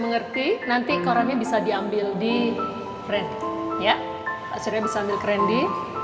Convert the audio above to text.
mengerti nanti korannya bisa diambil di friend ya akhirnya bisa ambil ke randy